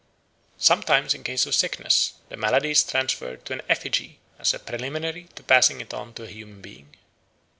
Sometimes in case of sickness the malady is transferred to an effigy as a preliminary to passing it on to a human being.